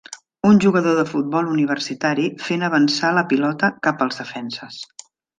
Un jugador de futbol universitari fent avançar la pilota cap als defenses.